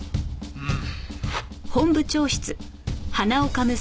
うん。